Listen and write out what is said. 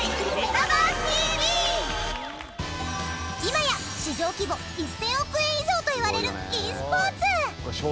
今や市場規模１０００億円以上といわれるｅスポーツ。